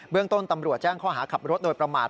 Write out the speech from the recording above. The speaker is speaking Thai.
เรื่องต้นตำรวจแจ้งข้อหาขับรถโดยประมาท